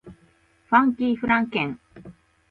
ファンキーフランケン